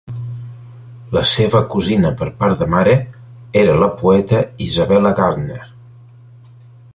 La seva cosina per part de mare era la poeta Isabella Gardner.